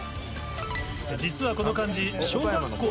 実はこの漢字。